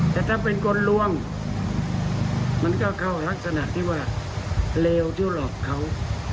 แต่ถ้าเป็นคนล่วงมันก็เข้ารักษณะที่ว่าเลวที่หลอกเขา